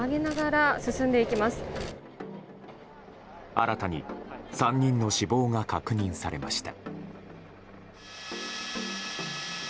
新たに３人の死亡が確認されました。